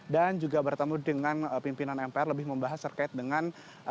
juga bertemu dengan pimpinan mpr lebih membahas terkait dengan